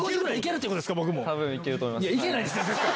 いけないっすよ絶対！